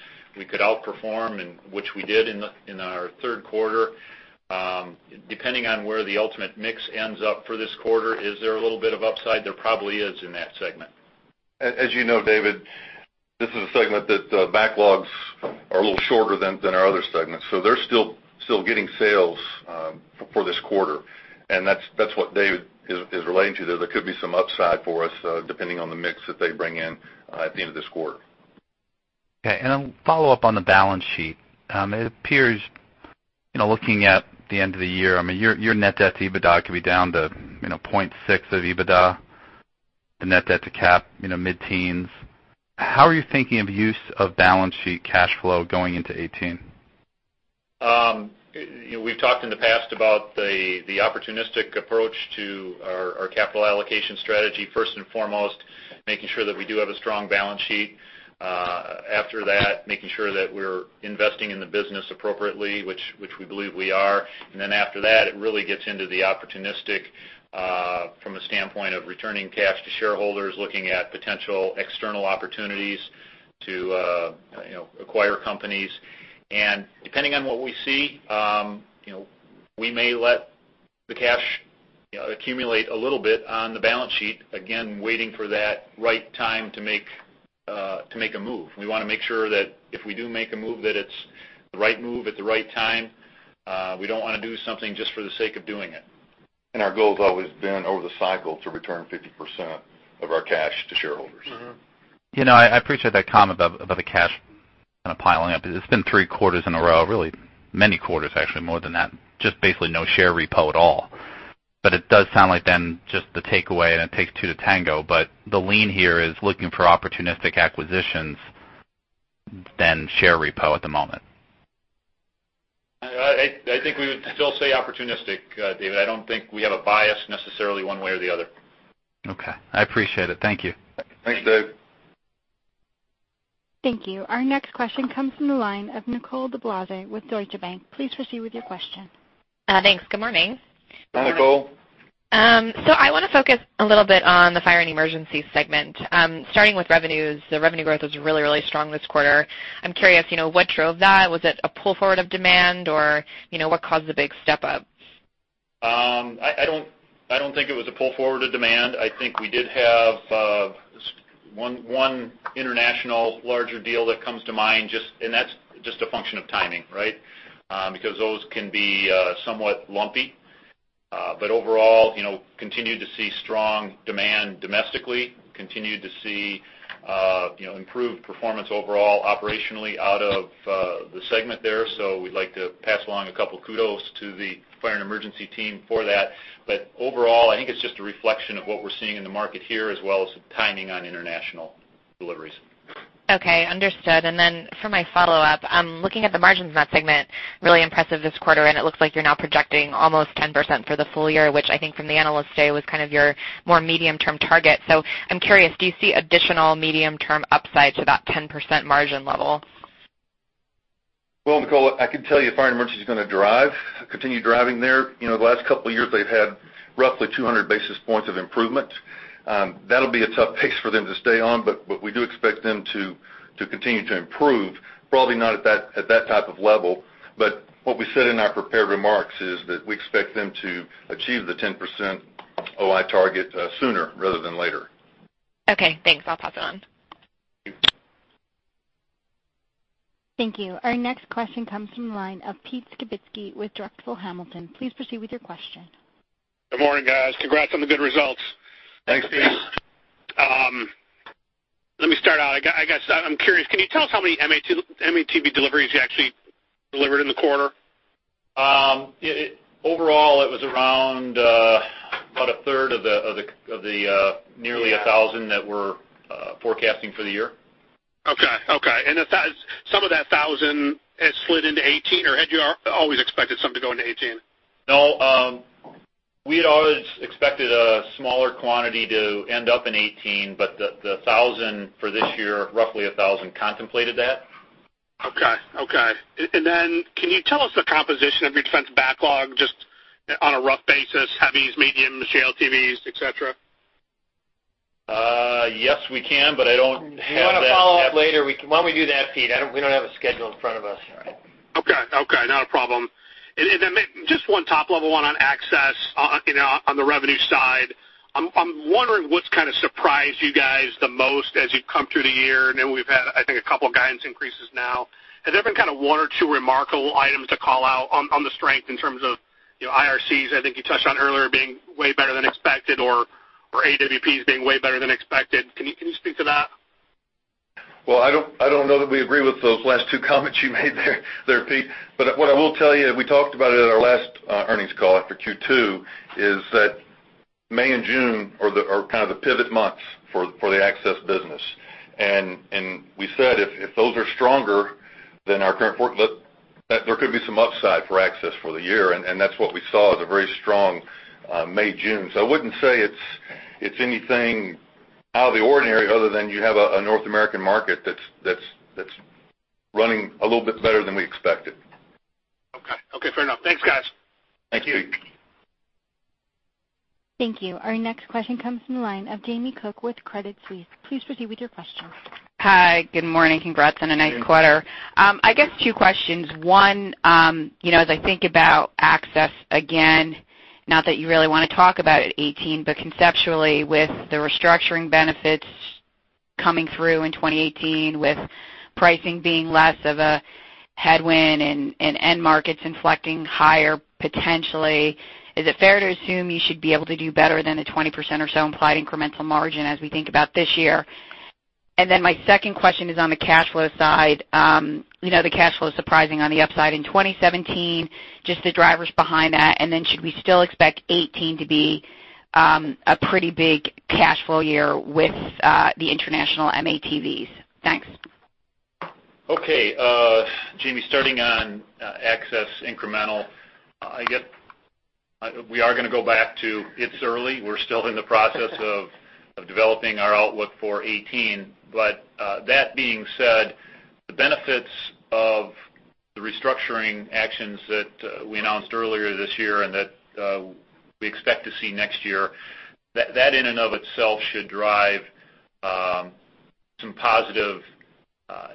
outperform, which we did in our third quarter. Depending on where the ultimate mix ends up for this quarter, is there a little bit of upside? There probably is in that segment. As you know, David, this is a segment that backlogs are a little shorter than our other segments. So they're still getting sales for this quarter. And that's what Dave is relating to. There could be some upside for us depending on the mix that they bring in at the end of this quarter. Okay. Then follow-up on the balance sheet. It appears, looking at the end of the year, I mean, your net debt to EBITDA could be down to 0.6x EBITDA, the net debt to cap mid-teens. How are you thinking of use of balance sheet cash flow going into 2018? We've talked in the past about the opportunistic approach to our capital allocation strategy, first and foremost, making sure that we do have a strong balance sheet. After that, making sure that we're investing in the business appropriately, which we believe we are. And then after that, it really gets into the opportunistic from a standpoint of returning cash to shareholders, looking at potential external opportunities to acquire companies. And depending on what we see, we may let the cash accumulate a little bit on the balance sheet, again, waiting for that right time to make a move. We want to make sure that if we do make a move, that it's the right move at the right time. We don't want to do something just for the sake of doing it. Our goal has always been over the cycle to return 50% of our cash to shareholders. I appreciate that comment about the cash kind of piling up. It's been three quarters in a row, really many quarters, actually, more than that, just basically no share repo at all. But it does sound like then just the takeaway, and it takes two to tango, but the lean here is looking for opportunistic acquisitions than share repo at the moment. I think we would still say opportunistic, David. I don't think we have a bias necessarily one way or the other. Okay. I appreciate it. Thank you. Thanks, Dave. Thank you. Our next question comes from the line of Nicole DeBlase with Deutsche Bank. Please proceed with your question. Thanks. Good morning. Hi, Nicole. So I want to focus a little bit on the fire and emergency segment. Starting with revenues, the revenue growth was really, really strong this quarter. I'm curious, what drove that? Was it a pull forward of demand, or what caused the big step up? I don't think it was a pull forward of demand. I think we did have one international larger deal that comes to mind, and that's just a function of timing, right? Because those can be somewhat lumpy. But overall, continued to see strong demand domestically, continued to see improved performance overall operationally out of the segment there. So we'd like to pass along a couple of kudos to the fire and emergency team for that. But overall, I think it's just a reflection of what we're seeing in the market here as well as the timing on international deliveries. Okay. Understood. And then for my follow-up, looking at the margins in that segment, really impressive this quarter. And it looks like you're now projecting almost 10% for the full year, which I think from the analysts' day was kind of your more medium-term target. So I'm curious, do you see additional medium-term upside to that 10% margin level? Well, Nicole, I can tell you fire and emergency is going to continue driving there. The last couple of years, they've had roughly 200 basis points of improvement. That'll be a tough pace for them to stay on, but we do expect them to continue to improve, probably not at that type of level. But what we said in our prepared remarks is that we expect them to achieve the 10% OI target sooner rather than later. Okay. Thanks. I'll pass it on. Thank you. Our next question comes from the line of Peter Skibitski with Drexel Hamilton. Please proceed with your question. Good morning, guys. Congrats on the good results. Thanks, Pete. Let me start out. I guess I'm curious, can you tell us how many M-ATV deliveries you actually delivered in the quarter? Overall, it was around about a third of the nearly 1,000 that we're forecasting for the year. Okay. Okay. And some of that 1,000 has slid into 2018, or had you always expected some to go into 2018? No. We had always expected a smaller quantity to end up in 2018, but the 1,000 for this year, roughly 1,000 contemplated that. Okay. Okay. Can you tell us the composition of your defense backlog, just on a rough basis? Heavies, mediums, JLTVs, etc.? Yes, we can, but I don't have that. We want to follow up later. Why don't we do that, Pete? We don't have a schedule in front of us. Okay. Okay. Not a problem. Just one top-level one on access on the revenue side. I'm wondering what's kind of surprised you guys the most as you've come through the year. And then we've had, I think, a couple of guidance increases now. Has there been kind of one or two remarkable items to call out on the strength in terms of IRCs, I think you touched on earlier, being way better than expected, or AWPs being way better than expected? Can you speak to that? Well, I don't know that we agree with those last two comments you made there, Pete. But what I will tell you, we talked about it at our last earnings call after Q2, is that May and June are kind of the pivot months for the access business. And we said if those are stronger, then there could be some upside for access for the year. And that's what we saw, the very strong May, June. So I wouldn't say it's anything out of the ordinary other than you have a North American market that's running a little bit better than we expected. Okay. Okay. Fair enough. Thanks, guys. Thank you. Thank you. Thank you. Our next question comes from the line of Jamie Cook with Credit Suisse. Please proceed with your question. Hi. Good morning. Congrats on a nice quarter. I guess two questions. One, as I think about access, again, not that you really want to talk about it 2018, but conceptually with the restructuring benefits coming through in 2018, with pricing being less of a headwind and end markets inflecting higher potentially, is it fair to assume you should be able to do better than the 20% or so implied incremental margin as we think about this year? And then my second question is on the cash flow side. The cash flow is surprising on the upside in 2017, just the drivers behind that. And then should we still expect 2018 to be a pretty big cash flow year with the international M-ATVs? Thanks. Okay. Jamie, starting on access incremental, I guess we are going to go back to it's early. We're still in the process of developing our outlook for 2018. But that being said, the benefits of the restructuring actions that we announced earlier this year and that we expect to see next year, that in and of itself should drive some positive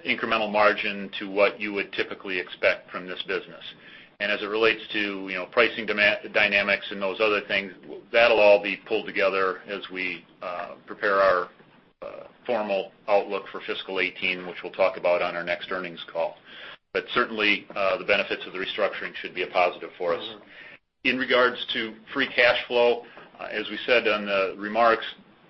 incremental margin to what you would typically expect from this business. As it relates to pricing dynamics and those other things, that'll all be pulled together as we prepare our formal outlook for fiscal 2018, which we'll talk about on our next earnings call. But certainly, the benefits of the restructuring should be a positive for us. In regards to free cash flow, as we said on the remarks,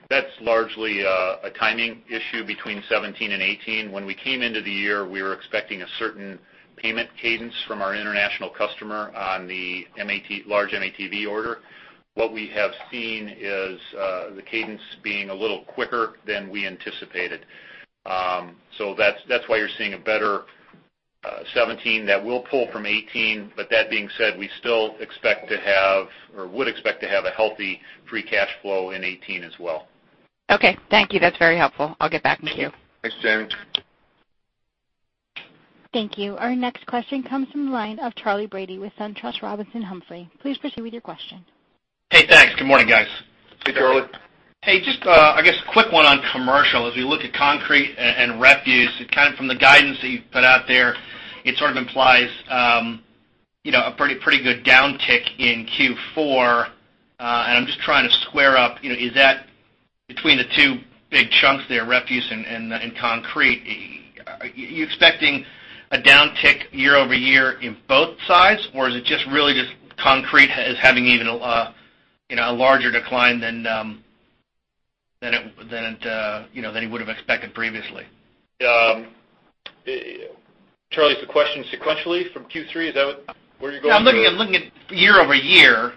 that's largely a timing issue between 2017 and 2018. When we came into the year, we were expecting a certain payment cadence from our international customer on the large M-ATV order. What we have seen is the cadence being a little quicker than we anticipated. So that's why you're seeing a better 2017 that will pull from 2018. But that being said, we still expect to have or would expect to have a healthy free cash flow in 2018 as well. Okay. Thank you. That's very helpful. I'll get back to you. Thanks, Jamie. Thank you. Our next question comes from the line of Charles Brady with SunTrust Robinson Humphrey. Please proceed with your question. Hey, thanks. Good morning, guys. Good morning. Hey, Charlie. Hey, just I guess a quick one on commercial. As we look at concrete and refuse, kind of from the guidance that you've put out there, it sort of implies a pretty good downtick in Q4. I'm just trying to square up, is that between the two big chunks there, refuse and concrete, you're expecting a downtick year-over-year in both sides, or is it just really just concrete is having even a larger decline than it would have expected previously? Charlie, is the question sequentially from Q3? Is that where you're going with that? I'm looking at year-over-year,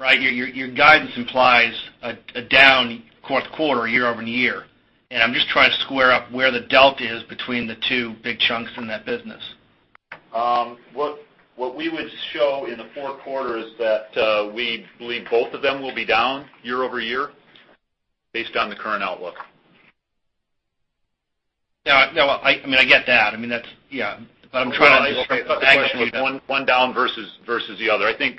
right? Your guidance implies a down quarter year-over-year. And I'm just trying to square up where the delta is between the two big chunks in that business. What we would show in the fourth quarter is that we believe both of them will be down year-over-year based on the current outlook. Yeah. I mean, I get that. I mean, that's yeah. But I'm trying to sort of put the question of one down versus the other. I think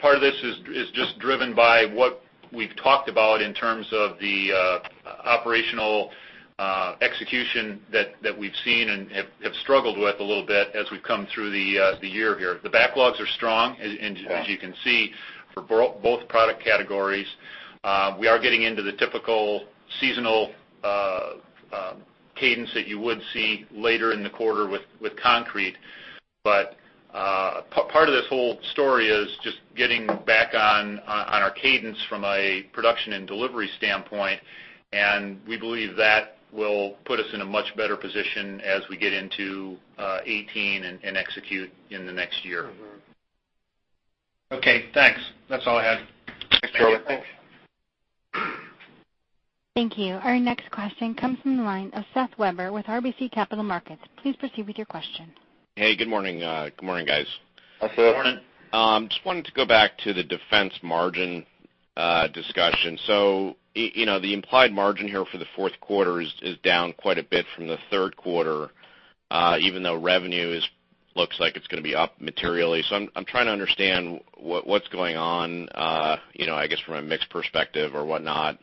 part of this is just driven by what we've talked about in terms of the operational execution that we've seen and have struggled with a little bit as we've come through the year here. The backlogs are strong, as you can see, for both product categories. We are getting into the typical seasonal cadence that you would see later in the quarter with concrete. But part of this whole story is just getting back on our cadence from a production and delivery standpoint. And we believe that will put us in a much better position as we get into 2018 and execute in the next year. Okay. Thanks. That's all I had. Thanks, Charlie. Thanks. Thank you. Our next question comes from the line of Seth Weber with RBC Capital Markets. Please proceed with your question. Hey, good morning. Good morning, guys. How's it going? Good morning. Just wanted to go back to the defense margin discussion. So the implied margin here for the fourth quarter is down quite a bit from the third quarter, even though revenue looks like it's going to be up materially. So I'm trying to understand what's going on, I guess, from a mix perspective or whatnot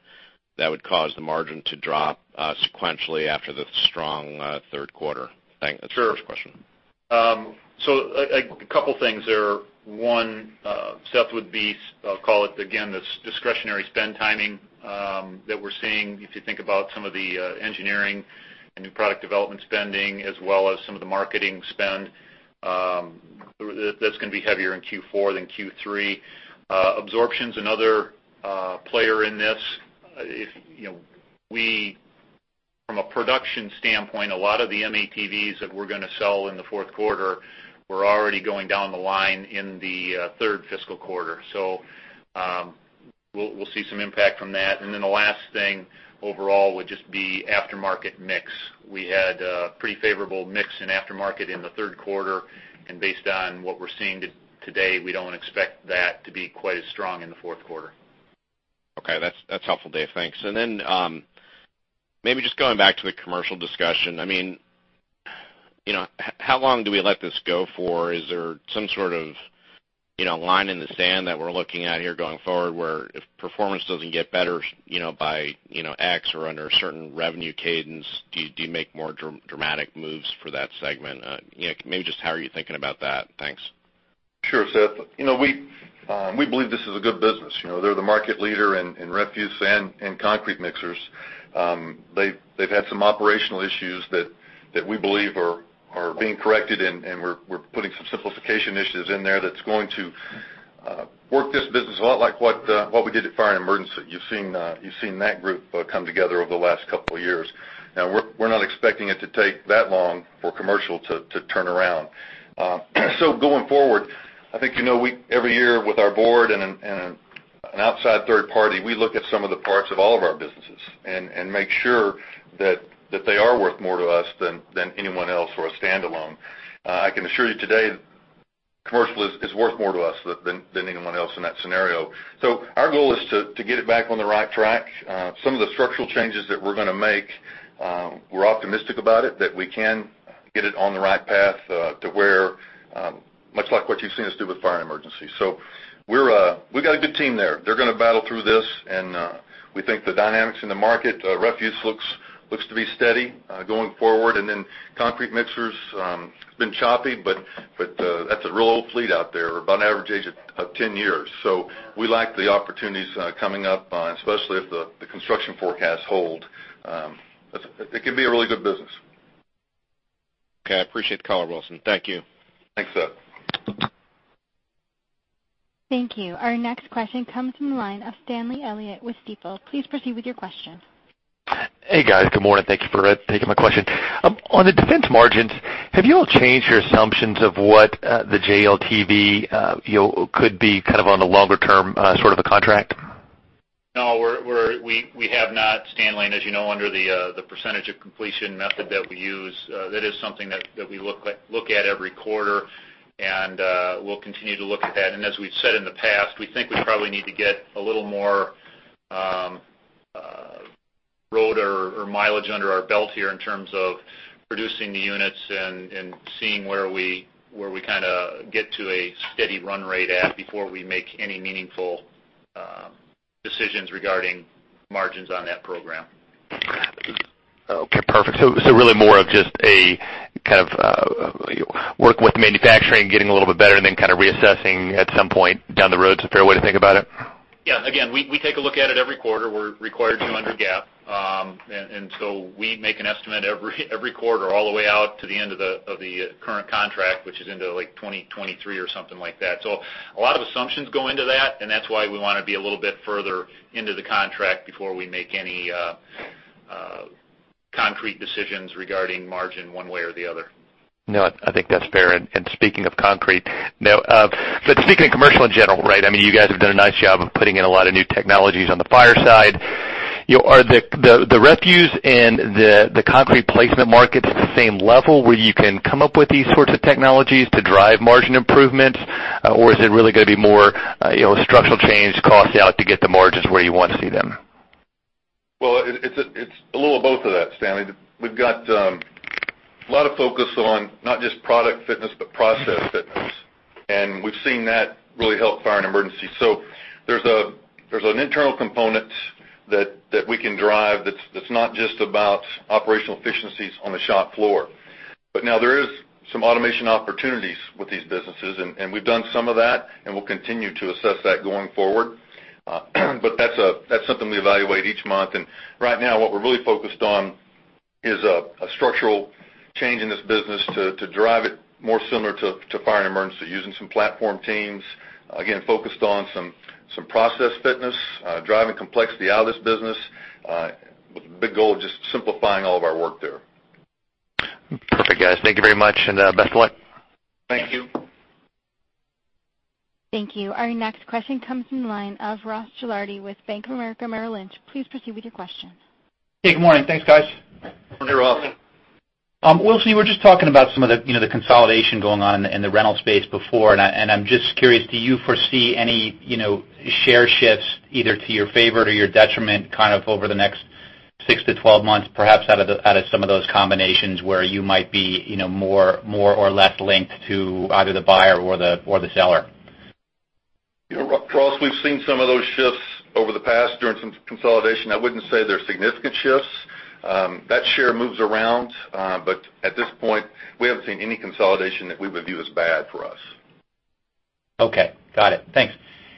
that would cause the margin to drop sequentially after the strong third quarter. That's the first question. Sure. So a couple of things there. One, Seth, we would call it, again, this discretionary spend timing that we're seeing. If you think about some of the engineering and new product development spending, as well as some of the marketing spend, that's going to be heavier in Q4 than Q3. Absorption is another player in this. From a production standpoint, a lot of the M-ATVs that we're going to sell in the fourth quarter were already going down the line in the third fiscal quarter. So we'll see some impact from that. And then the last thing overall would just be aftermarket mix. We had a pretty favorable mix in aftermarket in the third quarter. And based on what we're seeing today, we don't expect that to be quite as strong in the fourth quarter. Okay. That's helpful, Dave. Thanks. And then maybe just going back to the commercial discussion, I mean, how long do we let this go for? Is there some sort of line in the sand that we're looking at here going forward where if performance doesn't get better by X or under a certain revenue cadence, do you make more dramatic moves for that segment? Maybe just how are you thinking about that? Thanks. Sure, Seth. We believe this is a good business. They're the market leader in refuse and concrete mixers. They've had some operational issues that we believe are being corrected, and we're putting some simplification initiatives in there that's going to work this business a lot like what we did at Fire and Emergency. You've seen that group come together over the last couple of years. Now, we're not expecting it to take that long for commercial to turn around. So going forward, I think every year with our board and an outside third party, we look at some of the parts of all of our businesses and make sure that they are worth more to us than anyone else or a standalone. I can assure you today commercial is worth more to us than anyone else in that scenario. So our goal is to get it back on the right track. Some of the structural changes that we're going to make, we're optimistic about it that we can get it on the right path to where much like what you've seen us do with Fire and Emergency. So we've got a good team there. They're going to battle through this. And we think the dynamics in the market, refuse looks to be steady going forward. And then concrete mixers, it's been choppy, but that's a real old fleet out there about an average age of 10 years. So we like the opportunities coming up, especially if the construction forecasts hold. It can be a really good business. Okay. I appreciate the call, Wilson. Thank you. Thanks, Seth. Thank you. Our next question comes from the line of Stanley Elliott with Stifel. Please proceed with your question. Hey, guys. Good morning. Thank you for taking my question. On the defense margins, have you all changed your assumptions of what the JLTV could be kind of on the longer-term sort of a contract? No, we have not. Stanley, as you know, under the percentage of completion method that we use, that is something that we look at every quarter. And we'll continue to look at that. And as we've said in the past, we think we probably need to get a little more road or mileage under our belt here in terms of producing the units and seeing where we kind of get to a steady run rate at before we make any meaningful decisions regarding margins on that program. Okay. Perfect. So really more of just a kind of work with manufacturing, getting a little bit better, and then kind of reassessing at some point down the road. It's a fair way to think about it? Yeah. Again, we take a look at it every quarter. We're required to under GAAP. So we make an estimate every quarter all the way out to the end of the current contract, which is into like 2023 or something like that. So a lot of assumptions go into that. And that's why we want to be a little bit further into the contract before we make any concrete decisions regarding margin one way or the other. No, I think that's fair. And speaking of concrete, but speaking of commercial in general, right? I mean, you guys have done a nice job of putting in a lot of new technologies on the fire side. Are the refuse and the concrete placement markets at the same level where you can come up with these sorts of technologies to drive margin improvements, or is it really going to be more structural change costs out to get the margins where you want to see them? Well, it's a little of both of that, Stanley. We've got a lot of focus on not just product fitness, but process fitness. And we've seen that really help Fire and Emergency. So there's an internal component that we can drive that's not just about operational efficiencies on the shop floor. But now there is some automation opportunities with these businesses. And we've done some of that, and we'll continue to assess that going forward. But that's something we evaluate each month. Right now, what we're really focused on is a structural change in this business to drive it more similar to Fire and Emergency using some platform teams, again, focused on some process fitness, driving complexity out of this business, with a big goal of just simplifying all of our work there. Perfect, guys. Thank you very much. And best of luck. Thank you. Thank you. Our next question comes from the line of Ross Gilardi with Bank of America Merrill Lynch. Please proceed with your question. Hey, good morning. Thanks, guys. You're welcome. Wilson, we were just talking about some of the consolidation going on in the rental space before. I'm just curious, do you foresee any share shifts either to your favor or your detriment kind of over the next 6-12 months, perhaps out of some of those combinations where you might be more or less linked to either the buyer or the seller? Ross, we've seen some of those shifts over the past during some consolidation. I wouldn't say they're significant shifts. That share moves around. But at this point, we haven't seen any consolidation that we would view as bad for us. Okay. Got it. Thanks.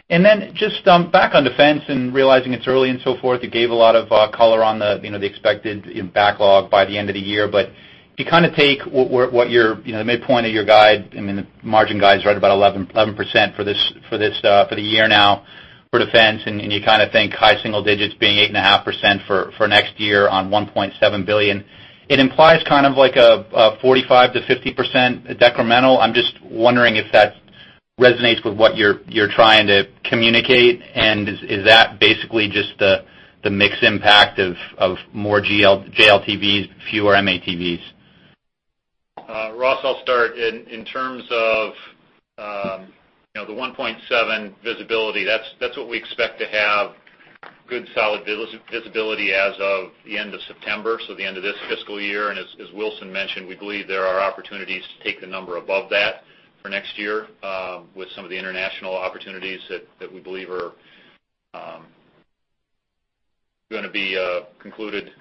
Then just back on defense and realizing it's early and so forth, you gave a lot of color on the expected backlog by the end of the year. But if you kind of take what your midpoint of your guide, I mean, the margin guide is right about 11% for the year now for defense, and you kind of think high single digits being 8.5% for next year on $1.7 billion, it implies kind of like a 45%-50% decremental. I'm just wondering if that resonates with what you're trying to communicate. And is that basically just the mix impact of more JLTVs, fewer M-ATVs? Ross, I'll start. In terms of the $1.7 billion visibility, that's what we expect to have: good solid visibility as of the end of September, so the end of this fiscal year. And as Wilson mentioned, we believe there are opportunities to take the number above that for next year with some of the international opportunities that we believe are going to be concluded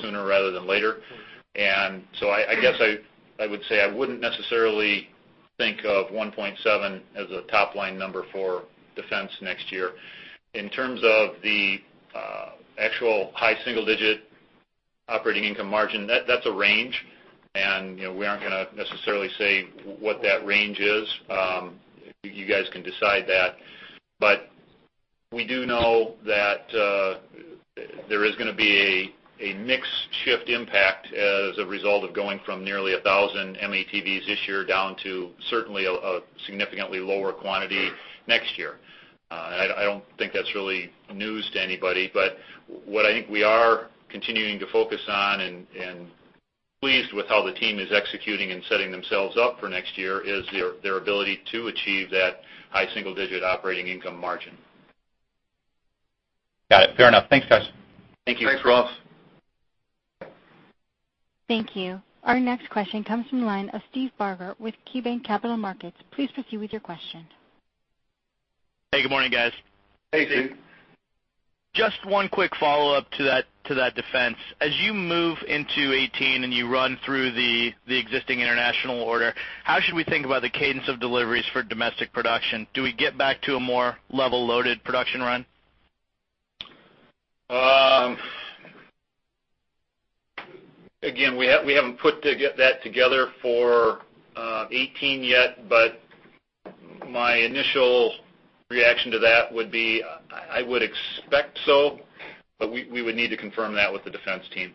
sooner rather than later. I guess I would say I wouldn't necessarily think of 1.7 as a top-line number for defense next year. In terms of the actual high single-digit operating income margin, that's a range. We aren't going to necessarily say what that range is. You guys can decide that. We do know that there is going to be a mix shift impact as a result of going from nearly 1,000 M-ATVs this year down to certainly a significantly lower quantity next year. I don't think that's really news to anybody. What I think we are continuing to focus on and pleased with how the team is executing and setting themselves up for next year is their ability to achieve that high single-digit operating income margin. Got it. Fair enough. Thanks, guys. Thank you. Thanks, Ross. Thank you. Our next question comes from the line of Steve Barger with KeyBanc Capital Markets. Please proceed with your question. Hey, good morning, guys. Hey, Steve. Just one quick follow-up to that defense. As you move into 2018 and you run through the existing international order, how should we think about the cadence of deliveries for domestic production? Do we get back to a more level-loaded production run? Again, we haven't put that together for 2018 yet, but my initial reaction to that would be I would expect so, but we would need to confirm that with the defense team.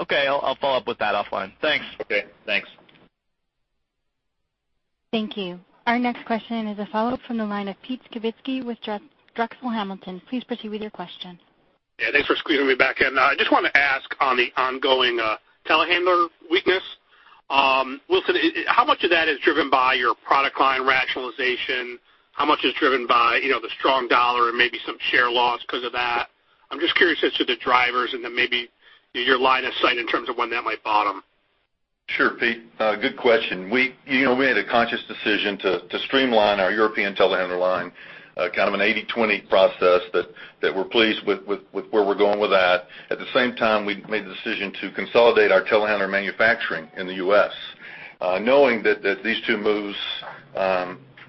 Okay. I'll follow up with that offline. Thanks. Okay. Thanks. Thank you. Our next question is a follow-up from the line of Peter Skibitski with Drexel Hamilton. Please proceed with your question. Yeah. Thanks for squeezing me back in. I just want to ask on the ongoing telehandler weakness. Wilson, how much of that is driven by your product line rationalization? How much is driven by the strong dollar and maybe some share loss because of that? I'm just curious as to the drivers and then maybe your line of sight in terms of when that might bottom. Sure, Pete. Good question. We had a conscious decision to streamline our European telehandler line, kind of an 80/20 process that we're pleased with where we're going with that. At the same time, we made the decision to consolidate our telehandler manufacturing in the U.S., knowing that these two moves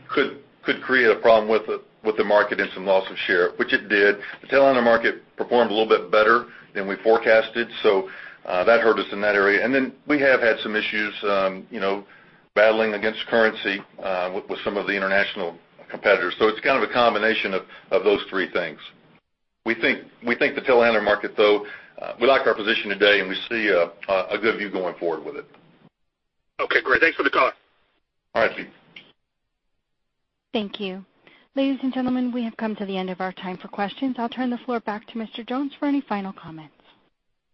could create a problem with the market and some loss of share, which it did. The telehandler market performed a little bit better than we forecasted, so that hurt us in that area. And then we have had some issues battling against currency with some of the international competitors. So it's kind of a combination of those three things. We think the telehandler market, though, we like our position today, and we see a good view going forward with it. Okay. Great. Thanks for the call. All right, Pete. Thank you. Ladies and gentlemen, we have come to the end of our time for questions. I'll turn the floor back to Mr. Jones for any final comments.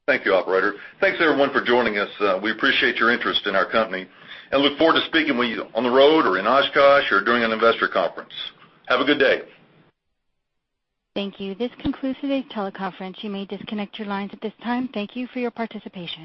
Thank you, Operator. Thanks, everyone, for joining us. We appreciate your interest in our company and look forward to speaking with you on the road or in Oshkosh or during an investor conference. Have a good day. Thank you. This concludes today's teleconference. You may disconnect your lines at this time. Thank you for your participation.